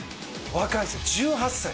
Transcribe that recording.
若いんですよ１８歳。